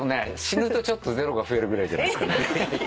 死ぬとちょっとゼロが増えるぐらいじゃないですかね。